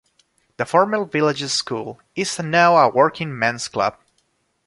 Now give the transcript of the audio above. The former village school is now a working men's club.